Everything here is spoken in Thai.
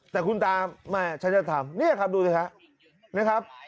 แต่คุณตาไม่ฉันจะทำนี่ครับดูสิค่ะ